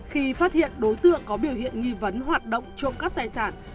khi phát hiện đối tượng có biểu hiện nghi vấn hoạt động trộm cắp tài sản